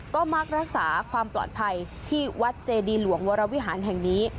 ก็มักรักษาความปลอดภัยที่วัดเจดีหลวงวรวิหารแห่งนี้